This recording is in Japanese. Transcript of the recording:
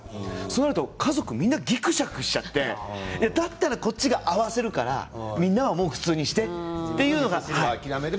そうだと家族でぎくしゃくしちゃってだったらこちらが合わせるからみんなは普通にしてというのが。